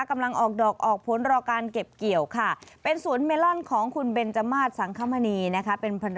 ไม่ได้ปลูกกันน้อยนะคะ